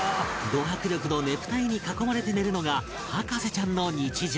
ド迫力のねぷた絵に囲まれて寝るのが博士ちゃんの日常